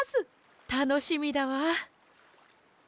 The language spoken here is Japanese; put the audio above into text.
たのしみだわ！